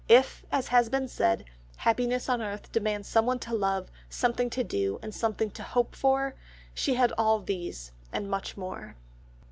If, as has been said, happiness on earth demands "someone to love, something to do, and something to hope for," she had all these, and much more.